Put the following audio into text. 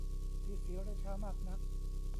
ที่ศรีราชามากนัก